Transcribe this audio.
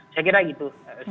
saya kira gitu